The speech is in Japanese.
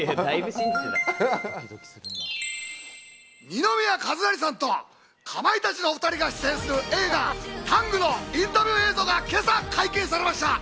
二宮和也さんとかまいたちのお２人が出演する映画、『ＴＡＮＧタング』のインタビュー映像が今朝解禁されました。